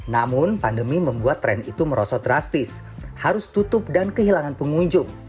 namun pandemi membuat tren itu merosot drastis harus tutup dan kehilangan pengunjung